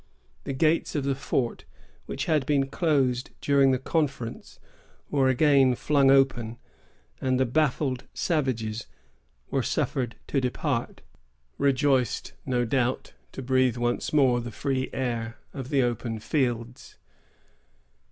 The gates of the fort, which had been closed during the conference, were again flung open, and the baffled savages were suffered to depart, rejoiced, no doubt, to breathe once more the free air of the open fields.